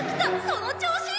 その調子！